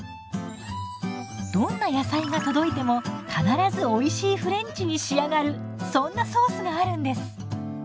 どんな野菜が届いても必ずおいしいフレンチに仕上がるそんなソースがあるんです！